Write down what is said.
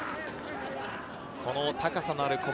この高さのある小林。